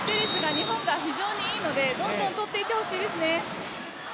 日本は非常にいいのでどんどん取ってほしいです。